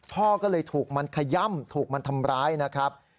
พ่อก็เลยถูกมันขย่ำถูกมันทำร้ายนะครับ